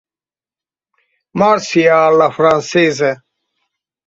Marcia alla francese.